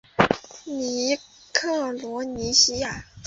密克罗尼西亚。